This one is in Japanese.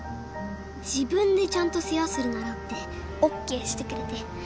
自分でちゃんと世話するならってＯＫしてくれて。